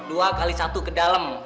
dua kali satu ke dalam